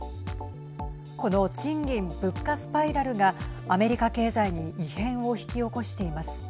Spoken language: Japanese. この賃金・物価スパイラルがアメリカ経済に異変を引き起こしています。